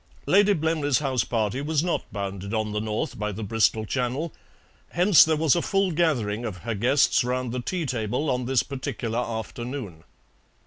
Lady Blemley's house party was not bounded on the north by the Bristol Channel, hence there was a full gathering of her guests round the tea table on this particular afternoon.